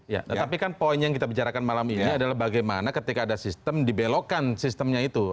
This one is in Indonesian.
ya tetapi kan poin yang kita bicarakan malam ini adalah bagaimana ketika ada sistem dibelokkan sistemnya itu